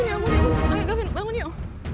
alih gavin bangun yuk